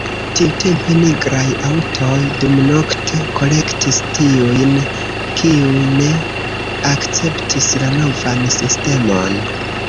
Tiutempe nigraj aŭtoj dumnokte kolektis tiujn, kiuj ne akceptis la novan sistemon.